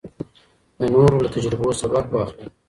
د نورو له تجربو سبق واخلئ.